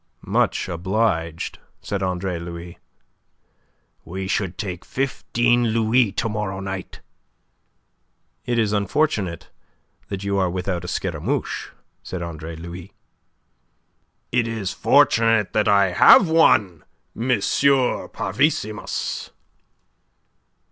"Much obliged," said Andre Louis. "We should take fifteen louis to morrow night." "It is unfortunate that you are without a Scaramouche," said Andre Louis. "It is fortunate that I have one, M. Parvissimus."